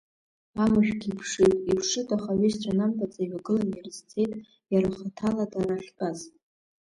Амышәгьы иԥшит, иԥшит, аха аҩызцәа анамбаӡа, иҩагылан ирызцеит, иара ахаҭала дара ахьтәаз.